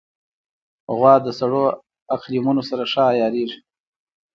غوا د سړو اقلیمونو سره ښه عیارېږي.